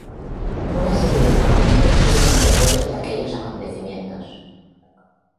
Una serie de monumentos sirven de recuerdo de aquellos acontecimientos.